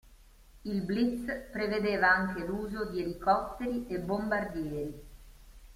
Il blitz prevedeva anche l'uso di elicotteri e bombardieri.